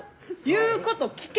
言うこと聞け！